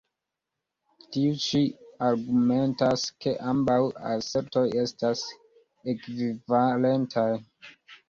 Tiu ĉi argumentas, ke ambaŭ asertoj estas ekvivalentaj.